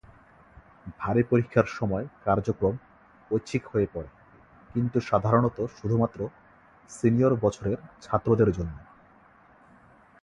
ভারী পরীক্ষার সময় কার্যক্রম ঐচ্ছিক হয়ে পড়ে কিন্তু সাধারণত শুধুমাত্র সিনিয়র বছরের ছাত্রদের জন্য।